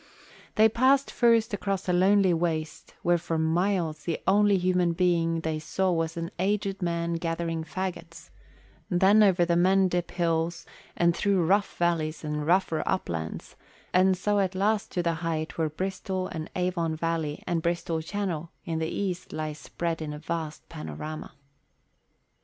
They passed first across a lonely waste where for miles the only human being they saw was an aged man gathering faggots; then over the Mendip Hills and through rough valleys and rougher uplands, and so at last to the height whence Bristol and Avon Valley and Bristol Channel in the east lie spread in a vast panorama.